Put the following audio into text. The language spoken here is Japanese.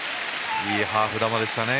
いいハーフ球でしたね